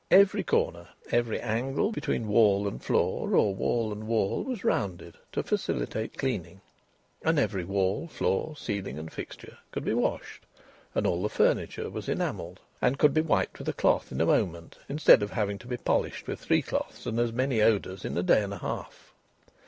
Every corner, every angle between wall and floor or wall and wall, was rounded, to facilitate cleaning. And every wall, floor, ceiling, and fixture could be washed, and all the furniture was enamelled and could be wiped with a cloth in a moment instead of having to be polished with three cloths and many odours in a day and a half.